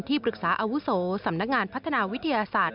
ปรึกษาอาวุโสสำนักงานพัฒนาวิทยาศาสตร์